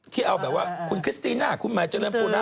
ที่เอาแบบว่าคุณคริสตีนะคุณแมนเจ้าเรือนปุ๊ดอ่ะ